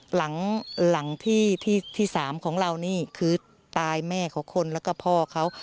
หลังที่ที่๓ของเรานี่คือตายแม่ของคนแล้วก็พ่อเขา